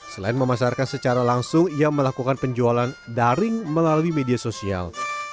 selain memasarkan secara langsung ia melakukan penjualan daring melalui media sosial